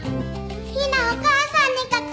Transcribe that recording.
陽菜お母さんに書く。